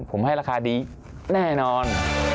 ผมให้ราคาดีแน่นอน